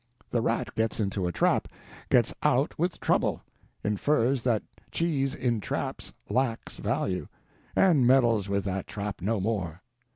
The rat gets into a trap; gets out with trouble; infers that cheese in traps lacks value, and meddles with that trap no more.